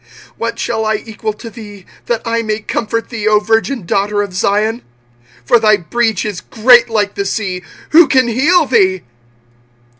what shall I equal to thee, that I may comfort thee, O virgin daughter of Zion? for thy breach is great like the sea: who can heal thee?